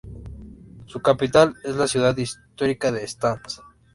Su capital es la ciudad histórica de Stans.